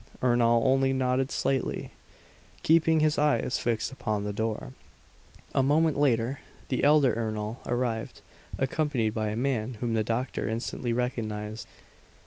Ernol only nodded slightly, keeping his eyes fixed upon the door. A moment later, the elder Ernol arrived, accompanied by a man whom the doctor instantly recognized.